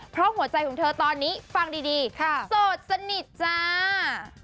เพราะหัวใจของเธอตอนนี้ฟังดีโสดสนิทจ้า